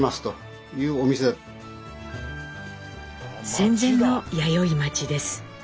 戦前の弥生町です。